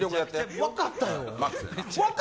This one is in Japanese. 分かったよ。